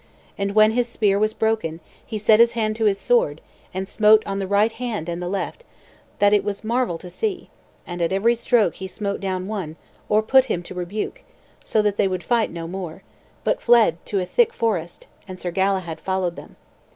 And when his spear was broken, he set his hand to his sword, and smote on the right hand and on the left, that it was marvel to see; and at every stroke he smote down one, or put him to rebuke, so that they would fight no more, but fled to a thick forest, and Sir Galahad followed them.